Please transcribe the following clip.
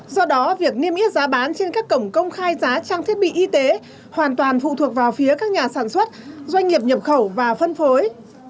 do đó việc niêm yết giá bán trên các cổng công khai giá trang thiết bị y tế hoàn toàn phụ thuộc vào phía các nhà sản xuất doanh nghiệp nhập khẩu và phân phối